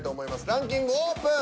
ランキングオープン。